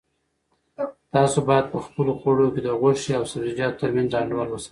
تاسو باید په خپلو خوړو کې د غوښې او سبزیجاتو ترمنځ انډول وساتئ.